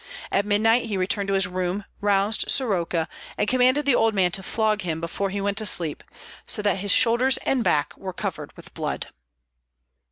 At midnight he returned to his room, roused Soroka, and commanded the old man to flog him before he went to sleep, so that his shoulders and back were covered with blood.